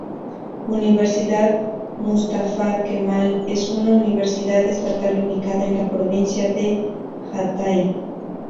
Universidad Mustafa Kemal es una universidad estatal ubicada en la provincia de Hatay.